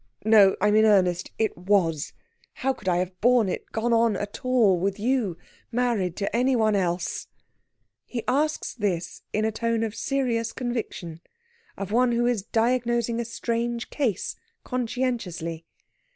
no, I'm in earnest, it was. How could I have borne it gone on at all with you married to any one else?" He asks this in a tone of serious conviction, of one who is diagnosing a strange case, conscientiously.